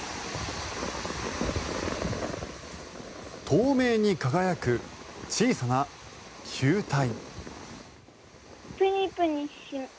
透明に輝く小さな球体。